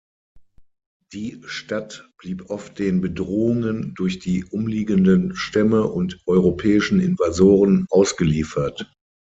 Die Stadt blieb oft den Bedrohungen durch die umliegenden Stämme und europäischen Invasoren ausgeliefert.